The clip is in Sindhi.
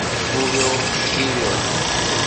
هو ويو، ٿي ويو